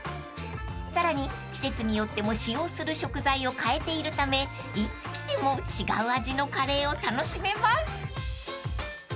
［さらに季節によっても使用する食材を変えているためいつ来ても違う味のカレーを楽しめます］